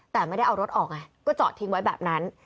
แต่ไม่ได้เอารถออกไงก็จอดทิ้งไว้แบบนั้น